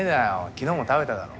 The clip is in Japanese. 昨日も食べただろ？